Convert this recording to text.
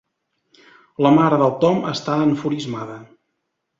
La mare del Tom està enfurismada.